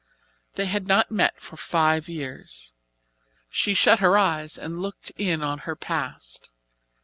They had not met for five years. She shut her eyes and looked in on her past.